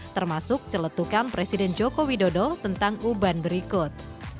termasuk celetukan presiden joko widodo tentang uban berikut